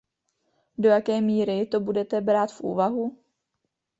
Do jaké míry to budete brát v úvahu?